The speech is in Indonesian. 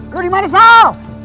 lu dimana sal